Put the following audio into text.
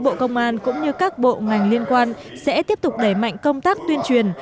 bộ công an cũng như các bộ ngành liên quan sẽ tiếp tục đẩy mạnh công tác tuyên truyền